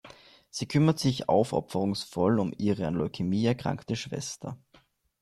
Sie kümmert sich aufopferungsvoll um ihre an Leukämie erkrankte Schwester.